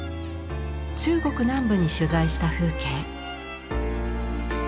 中国南部に取材した風景。